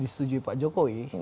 disetujui pak jokowi